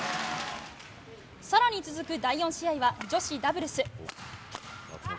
更に続く第４試合は女子ダブルス。